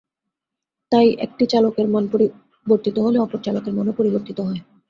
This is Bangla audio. তাই একটি চলকের মান পরিবর্তিত হলে অপর চলকের মানও পরিবর্তিত হয়।